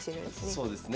そうですね。